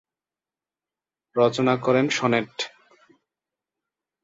রচনা করেন সনেট।